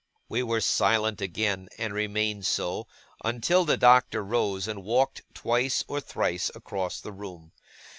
We were silent again, and remained so, until the Doctor rose and walked twice or thrice across the room.